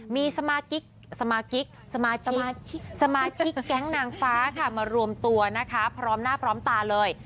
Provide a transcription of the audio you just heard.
มีสมาชิกแก๊งนางฟ้าค่ะมารวมตัวนะคะพร้อมหน้าพร้อมตาเลย